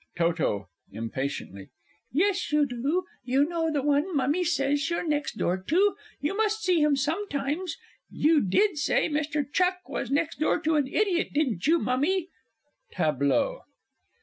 TOTO (impatiently). Yes, you do you know. The one Mummy says you're next door to you must see him sometimes! You did say Mr. Chuck was next door to an idiot, didn't you, Mummy? [_Tableau.